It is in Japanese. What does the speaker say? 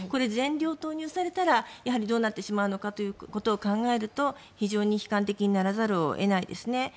全量投入されたらどうなってしまうのかということを考えると非常に悲観的にならざるを得ないですね。